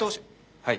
はい。